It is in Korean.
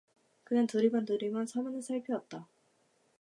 그는 두리번두리번 사면을 살피었다.